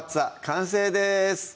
完成です